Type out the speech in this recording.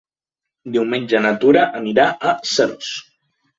Diumenge na Tura anirà a Seròs.